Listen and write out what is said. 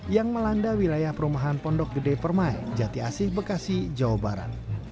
yang melanda wilayah perumahan pondok gede permai jati asih bekasi jawa barat